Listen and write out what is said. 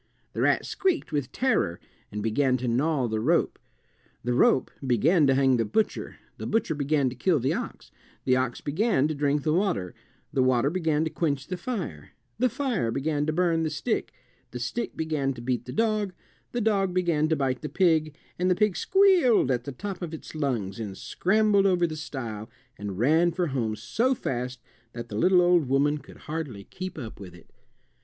The rat squeaked with terror and began to gnaw the rope. The rope began to hang the butcher, the butcher began to kill the ox, the ox began to drink the water, the water began to quench the fire, the fire began to burn the stick, the stick began to beat the dog, the dog began to bite the pig, and the pig squealed at the top of its lungs and scrambled over the stile and ran for home so fast that the little old woman could hardly keep up with it.